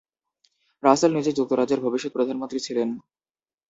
রাসেল নিজেই যুক্তরাজ্যের ভবিষ্যৎ প্রধানমন্ত্রী ছিলেন।